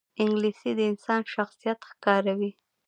انګلیسي د انسان شخصیت ښکاروي